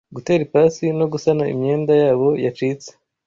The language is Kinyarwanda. gutera ipasi no gusana imyenda yabo yacitse